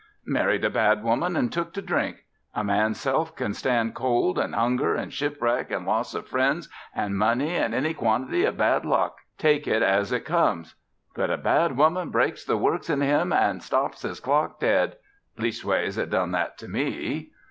"Married a bad woman and took to drink. A man's Self can stand cold an' hunger an' shipwreck an' loss o' friends an' money an' any quantity o' bad luck, take it as it comes, but a bad woman breaks the works in him an' stops his clock dead. Leastways, it done that to me!"